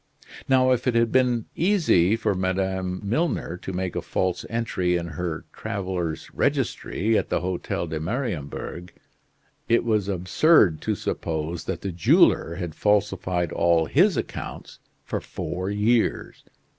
Now, if it had been easy for Madame Milner to make a false entry in her traveler's registry at the Hotel de Mariembourg, it was absurd to suppose that the jeweler had falsified all his accounts for four years.